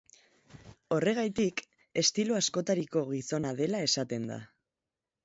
Horregatik, estilo askotariko gizona dela esaten da.